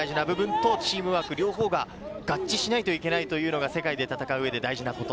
チームワーク、両方が合致しないといけないというのが世界で戦ううえで大事なこと。